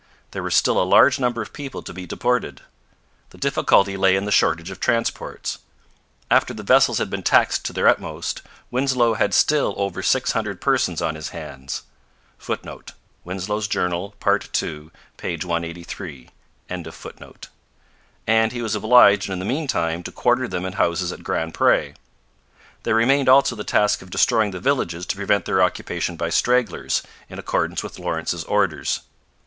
There were still a large number of people to be deported. The difficulty lay in the shortage of transports. After the vessels had been taxed to their utmost, Winslow had still over six hundred persons on his hands; [Footnote: Winslow's Journal, part ii, p. 183.] and he was obliged in the meantime to quarter them in houses at Grand Pre. There remained also the task of destroying the villages to prevent their occupation by stragglers, in accordance with Lawrence's orders.